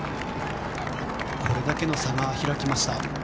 これだけの差が開きました。